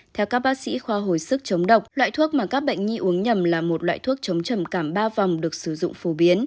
theo các bác sĩ khoa hồi sức chống độc loại thuốc mà các bệnh nhi uống nhầm là một loại thuốc chống trầm cảm ba vòng được sử dụng phổ biến